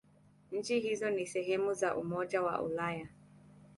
Nchi hizo si sehemu za Umoja wa Ulaya.